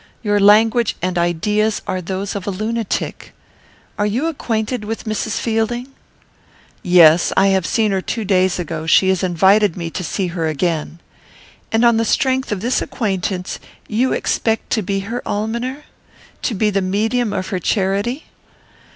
Your language and ideas are those of a lunatic. Are you acquainted with Mrs. Fielding?" "Yes. I have seen her two days ago, and she has invited me to see her again." "And on the strength of this acquaintance you expect to be her almoner? To be the medium of her charity?"